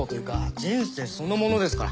人生そのものですから。